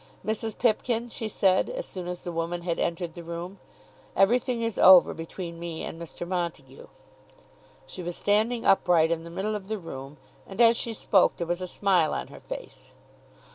"Mrs. Pipkin," she said, as soon as the woman had entered the room; "everything is over between me and Mr. Montague." She was standing upright in the middle of the room, and as she spoke there was a smile on her face.